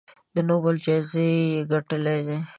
د نوبل نړیواله جایزه یې ګټلې ده.